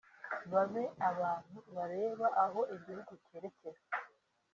babe abantu bareba aho igihugu cyerekera